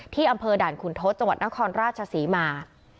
อำเภอด่านขุนทศจังหวัดนครราชศรีมา